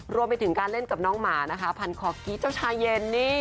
รวมไปถึงการเล่นกับน้องหมานะคะพันคอกี้เจ้าชายเย็นนี่